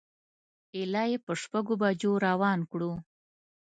ایله یې په شپږو بجو روان کړو.